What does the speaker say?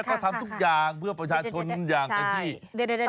ก็ทำทุกอย่างเพื่อประชาชนอย่างเต็มที่